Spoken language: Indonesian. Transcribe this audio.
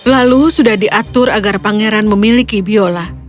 lalu sudah diatur agar pangeran memiliki biola